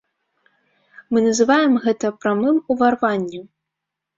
Мы называем гэта прамым уварваннем.